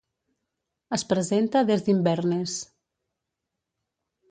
Es presenta des d'Inverness.